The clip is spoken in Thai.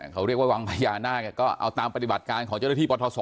เขาเรียกว่าวังพญานาคก็เอาตามปฏิบัติการของเจ้าหน้าที่ปทศ